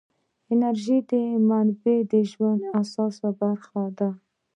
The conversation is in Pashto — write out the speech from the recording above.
د انرژۍ منابع د ژوند اساسي برخه ده.